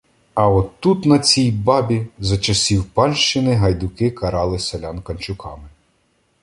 А отут, на цій "бабі", за часів панщини гайдуки карали селян канчуками.